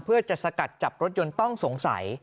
เพื่อจะสกัดจับรถยนต์ต้องสงสัย